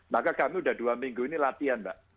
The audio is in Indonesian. maka kami sudah dua minggu ini latihan mbak